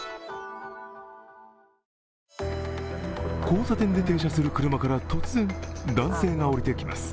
交差点で停車する車から突然男性が降りてきます。